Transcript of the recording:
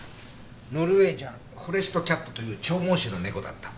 ノルウェージャンフォレストキャットという長毛種の猫だった。